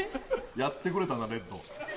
やってくれたなレッド。